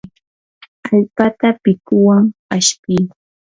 allpata pikuwan ashpii.